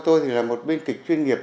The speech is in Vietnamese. tôi thì là một bên kịch chuyên nghiệp